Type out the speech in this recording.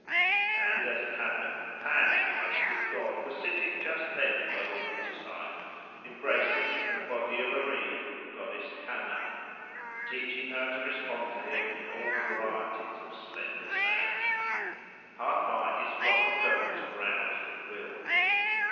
And as it happened, Pan, the rustic god, was sitting just then by the waterside, embracing, in the body of a reed, the goddess Canna; teaching her to respond to him in all varieties of slender sound. Hard by, his flock of goats browsed at will.